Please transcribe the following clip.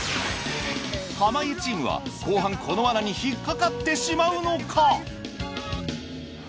濱家チームは後半このワナに引っかかってしまうのか！？